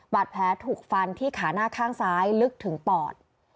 บาดแผลถูกฟันที่ขาหน้าข้างซ้ายลึกถึงปอด